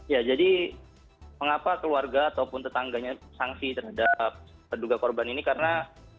ya jadi mengapa keluarga ataupun tetangganya sangsi terhadap terduga korban ini karena